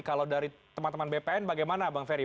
kalau dari teman teman bpn bagaimana bang ferry